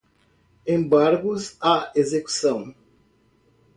embargos à execução